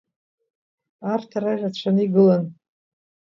Арҭ ара ирацәаны игылан.